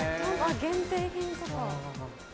限定品とか。